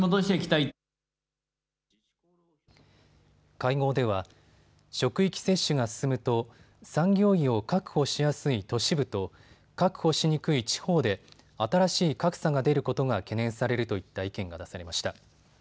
会合では職域接種が進むと産業医を確保しやすい都市部と確保しにくい地方で新しい格差が出ることが懸念されるといった意見が出されました。